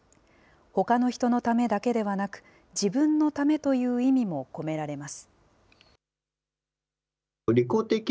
ほかの人のためだけではなく、自分のためという意味も込められます。